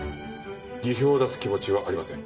辞表を出す気持ちはありません。